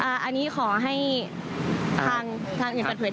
อันนี้ขอให้ทางเงินประถวยด้วยค่ะ